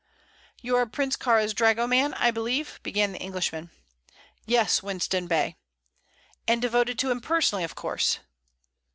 "You are Prince Kāra's dragoman, I believe?" began the Englishman. "Yes, Winston Bey." "And devoted to him personally, of course?"